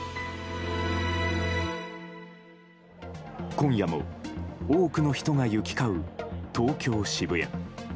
今夜も多くの人が行き交う東京・渋谷。